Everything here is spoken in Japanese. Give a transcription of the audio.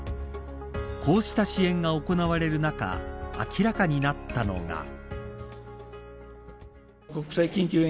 こうした支援が行われる中明らかになったのが。